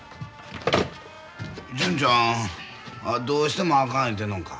純ちゃんどうしてもあかん言うてるのか？